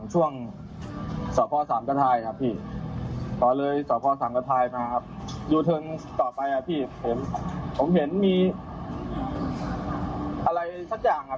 เห็นเป็นศพนอนอยู่กลางถนนเลยใช่ไหมครับ